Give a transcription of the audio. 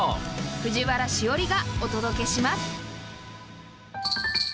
藤原しおりがお届けします。